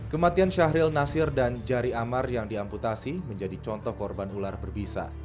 kematian syahril nasir dan jari amar yang diamputasi menjadi contoh korban ular berbisa